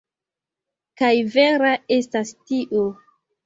Kaj vera estas tio.